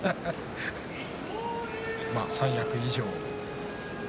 三役以上。